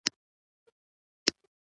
منظم ژوند د آرامۍ سبب دی.